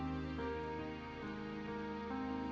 dan daya hidup